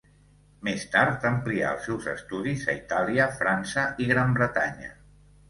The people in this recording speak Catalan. Més tard amplià els seus estudis a Itàlia, França i Gran Bretanya.